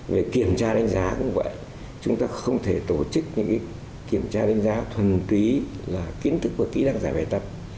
về kiểm tra đánh giá cũng vậy chúng ta không thể tổ chức những kiểm tra đánh giá thuần túy là kiến thức và kỹ năng giải bài tập